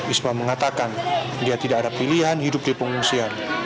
isma mengatakan dia tidak ada pilihan hidup di pengungsian